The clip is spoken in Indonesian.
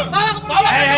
bawa ke polisi